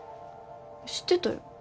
知ってたよ。